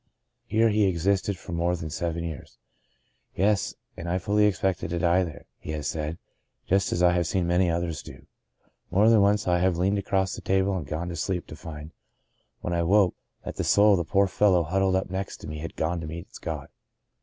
Here he existed for more than seven years I " Yes, and I fully expected to die there," he has said, "just as I have seen many another do. More than once have I leaned across the table and gone to sleep, to find, when I woke, that the soul of the poor fellow huddled up next to me had gone to meet its God